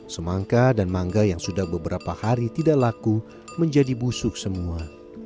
semangka dan mangga yang sudah beberapa hari tidak laku menjadi busuk semua